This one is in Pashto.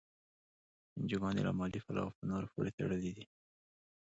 انجوګانې له مالي پلوه په نورو پورې تړلي دي.